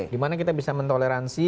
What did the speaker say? di mana kita bisa mentoleransi